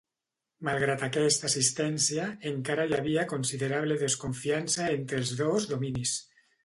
Malgrat aquesta assistència, encara hi havia considerable desconfiança entre els dos dominis.